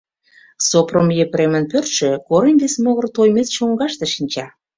Сопром Епремын пӧртшӧ корем вес могыр Тоймет чоҥгаште шинча.